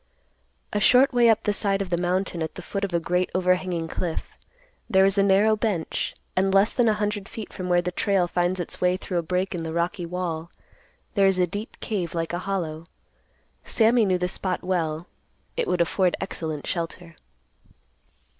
A short way up the side of the mountain at the foot of a great overhanging cliff, there is a narrow bench, and less than a hundred feet from where the trail finds its way through a break in the rocky wall, there is a deep cave like hollow. Sammy knew the spot well. It would afford excellent shelter.